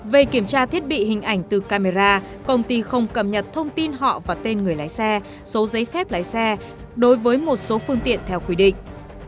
về kiểm tra thiết bị hình ảnh từ camera công ty không cập nhật thông tin họ và tên người lái xe số giấy phép lái xe đối với một số phương tiện theo quy định